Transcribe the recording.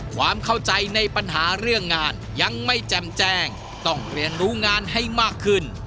ความเข้าใจในปัญหาเรื่องงานยังไม่แจ่มแจ้งต้องเรียนรู้งานให้มากขึ้น